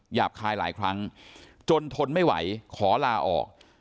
หยาบคายหลายครั้งจนทนไม่ไหวขอลาออก